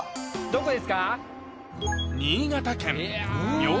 どこですか？